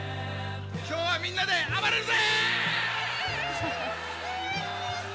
今日はみんなで暴れるぜ。